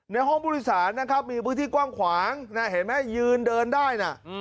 ในห้องผู้โดยสารนะครับมีพื้นที่กว้างขวางนะเห็นไหมยืนเดินได้นะ